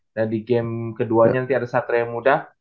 dan di game keduanya nanti ada satria yang muda